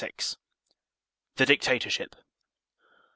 The Dictatorship.